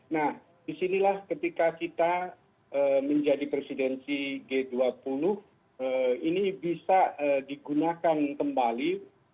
nah disinilah ketika kita menjadi presidensi g dua puluh ini bisa digunakan kembali